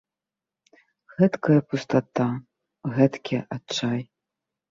Гэткая пустата, гэткі адчай.